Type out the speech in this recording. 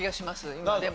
今でも。